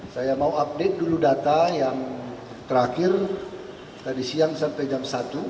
saya mau update dulu data yang terakhir tadi siang sampai jam satu